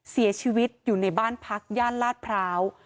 เสียชีวิตอยู่ในบ้านพักย่านลาดพร้าว